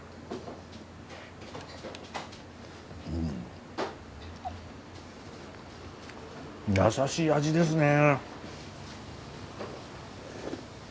うんやさしい味ですね。